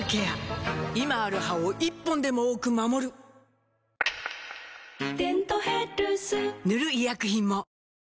今ある歯を１本でも多く守る「デントヘルス」塗る医薬品も